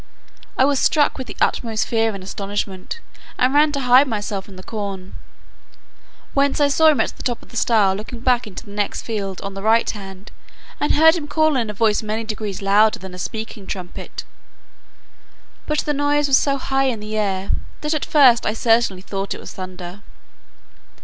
I was struck with the utmost fear and astonishment, and ran to hide myself in the corn, whence I saw him at the top of the stile looking back into the next field on the right hand, and heard him call in a voice many degrees louder than a speaking trumpet: but the noise was so high in the air, that at first I certainly thought it was thunder.